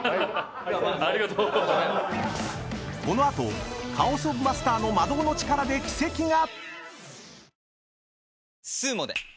［この後カオスオブマスターの魔導の力で奇跡が⁉］